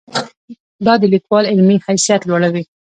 دا د لیکوال علمي حیثیت لوړوي.